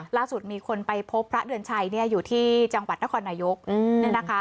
ล่าสุดมีคนไปพบพระเดือนชัยอยู่ที่จังหวัดนครนายกเนี่ยนะคะ